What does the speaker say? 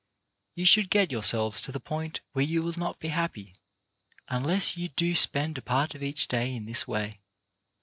You should get yourselves to the point where you will not be happy unless you do spend a part of each day in this way.